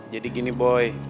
jadi gini boy